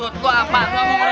udah ada yang pake playa lu